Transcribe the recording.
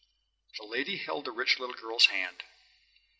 The lady held the rich little girl's hand.